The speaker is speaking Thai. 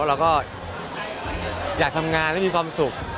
แล้วก็อยากทำงานแล้วมีความสุข